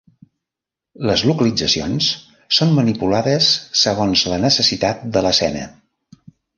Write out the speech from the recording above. Les localitzacions són manipulades segons la necessitat de l’escena.